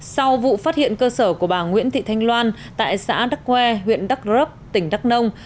sau vụ phát hiện cơ sở của bà nguyễn thị thanh loan tại xã đắc ngoe huyện đắc rớp tỉnh đắc nông